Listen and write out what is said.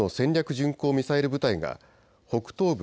巡航ミサイル部隊が北東部